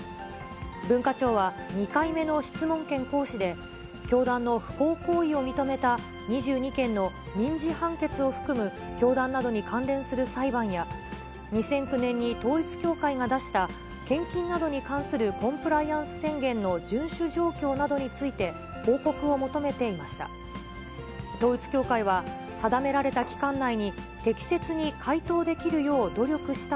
文化庁は、２回目の質問権行使で、教団の不法行為を認めた２２件の民事判決を含む教団などに関連する裁判や、２００９年に統一教会が出した献金などに関するコンプライアンス宣言の順守状況などについて、報告を求めていました。